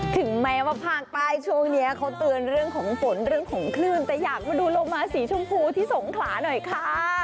ถึงแม้ว่าภาคใต้ช่วงนี้เขาเตือนเรื่องของฝนเรื่องของคลื่นแต่อยากมาดูโลมาสีชมพูที่สงขลาหน่อยค่ะ